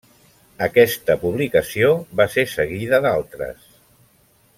Aquesta publicació va ser seguida d'altres.